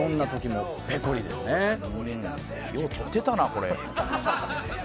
「よう撮ってたなこれ」